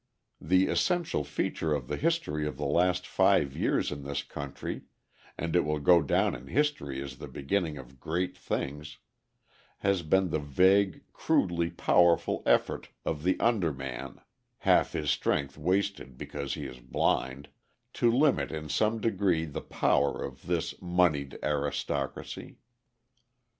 The essential feature of the history of the last five years in this country, and it will go down in history as the beginning of great things, has been the vague, crudely powerful effort of the underman (half his strength wasted because he is blind) to limit in some degree the power of this moneyed aristocracy.